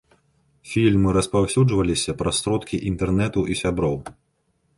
Фільм распаўсюджваліся праз сродкі інтэрнэту і сяброў.